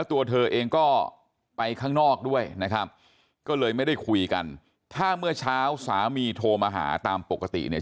ทางนอกด้วยนะครับก็เลยไม่ได้คุยกันถ้าเมื่อเช้าสามีโทรมาหาตามปกติเนี่ย